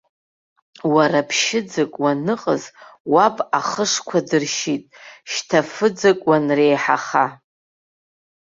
Уара ԥшьыӡак уаныҟаз уаб ахышқәа дыршьит, шьҭа фыӡак уанреиҳаха.